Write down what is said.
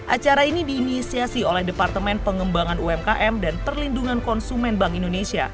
acara ini diinisiasi oleh departemen pengembangan umkm dan perlindungan konsumen bank indonesia